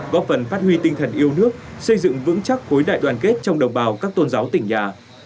góp phần phát huy tinh thần yêu nước xây dựng vững chắc khối đại đoàn kết trong đồng bào các tôn giáo tỉnh nhà